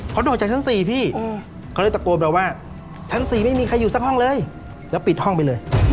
เคาะโดดจากชั้นสี่พี่